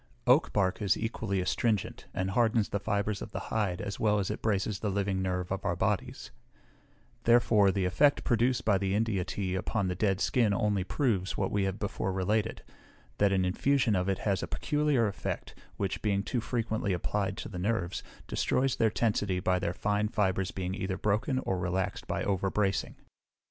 Oak bark is equally astringent, and hardens the fibres of the hide, as well as it braces the living nerve of our bodies; therefore the effect produced by the India tea upon the dead skin only proves, what we have before related, that an infusion of it has a peculiar effect, which, being too frequently applied to the nerves, destroys their tensity by their fine fibres being either broken or relaxed by overbracing.